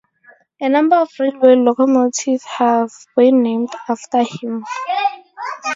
A number of railway locomotives have been named after him.